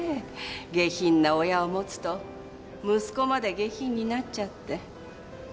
下品な親を持つと息子まで下品になっちゃって。